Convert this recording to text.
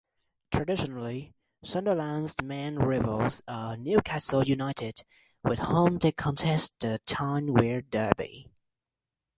Traditionally, Sunderland's main rivals are Newcastle United, with whom they contest the Tyne-Wear derby.